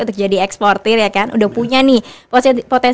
untuk jadi eksportir ya kan udah punya nih potensi